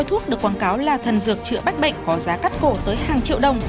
thuốc được quảng cáo là thần dược chữa bách bệnh có giá cắt cổ tới hàng triệu đồng